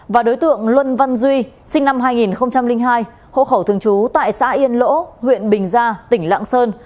và đối tượng luân văn duy sinh năm hai nghìn hai hộ khẩu thường trú tại xã yên lỗ huyện bình gia tỉnh lạng sơn